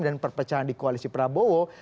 dan perpecahan di koalisi prabowo